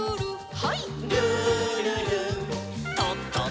はい。